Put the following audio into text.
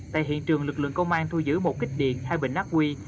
tại hiện trường lực lượng công an thu giữ một kích điện hai bệnh nát quy